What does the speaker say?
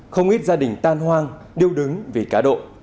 không ít gia đình tan hoang điêu đứng vì cá độ